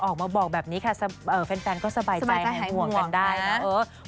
ออกมาบอกแบบนี้แฟนก็สบายใจหาหวังขอให้หายไวนะคะ